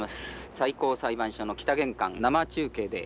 最高裁判所の北玄関生中継で。